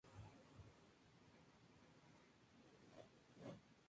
Este tipo de potencial tiene varias aplicaciones entre ellas, la interacción entre dos nucleones.